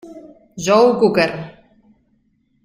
Joe Cocker!